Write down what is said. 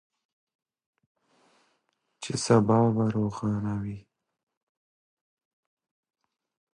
چې سبا به روښانه وي.